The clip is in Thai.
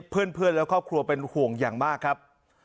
เพื่อนและครอบครัวเป็นห่วงอย่างมากครับ